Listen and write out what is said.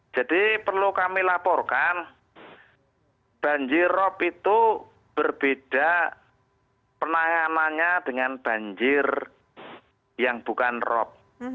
jadi perlu kami laporkan banjirrop itu berbeda penahanannya dengan banjir yang bukan rop